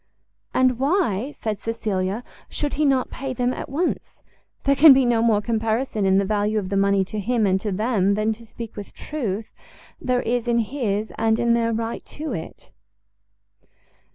"And why," said Cecilia, "should he not pay them at once? There can be no more comparison in the value of the money to him and to them, than, to speak with truth, there is in his and in their right to it."